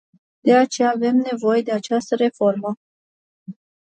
De aceea avem nevoie de această reformă.